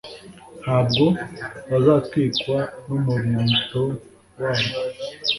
nta bwo bazatwikwa n’umuriro warwo.